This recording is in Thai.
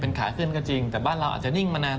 ขาขึ้นก็จริงแต่บ้านเราอาจจะนิ่งมานาน